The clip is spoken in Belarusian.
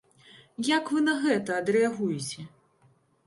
Як вы на гэта адрэагуеце?